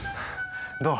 どう？